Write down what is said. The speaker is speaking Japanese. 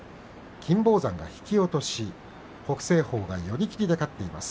金峰山が引き落とし北青鵬が寄り切りで勝っています。